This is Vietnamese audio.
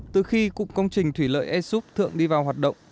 từ khi cục công trình thủy lợi esup thượng đi vào hoạt động